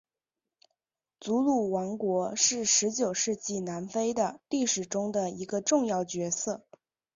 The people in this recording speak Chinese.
祖鲁王国是十九世纪南非的历史中的一个重要角色。